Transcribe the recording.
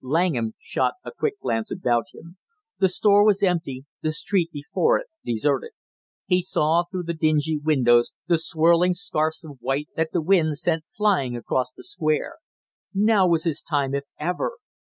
Langham shot a quick glance about him; the store was empty, the street before it deserted; he saw through the dingy windows the swirling scarfs of white that the wind sent flying across the Square. Now was his time if ever!